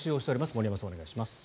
森山さん、お願いします。